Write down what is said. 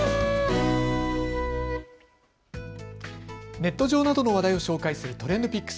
ネット上などの話題を紹介するＴｒｅｎｄＰｉｃｋｓ。